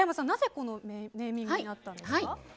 なぜこのネーミングになったんですか。